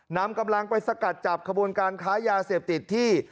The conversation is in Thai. นำกำลังไปสกัดจับขบวนการค้ายาเสพติดที่